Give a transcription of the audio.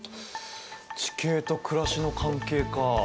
地形と暮らしの関係か。